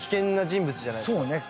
そうね。